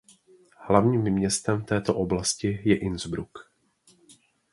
Hlavním městem této oblasti je Innsbruck.